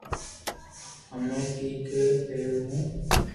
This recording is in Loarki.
ھمو ڪيڪير ڀيرو ھووُ